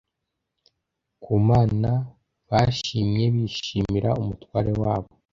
Ku Mana bashimyebishimira umutware wabo